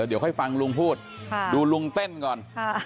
เดี๋ยวค่อยฟังลุงพูดดูลุงเต้นก่อน